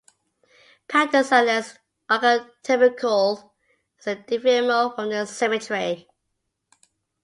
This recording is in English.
Patterns are less archetypical as they deviate more from this symmetry.